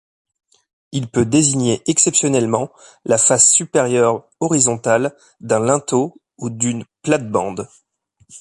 Il peut désigner exceptionnellement la face supérieure horizontale d'un linteau ou d'une plate-bande.